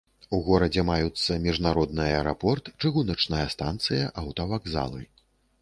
У горадзе маюцца міжнародны аэрапорт, чыгуначная станцыя, аўтавакзалы.